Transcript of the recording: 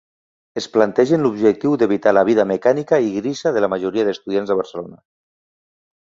Es plantegen l'objectiu d'evitar la vida mecànica i grisa de la majoria d'estudiants de Barcelona.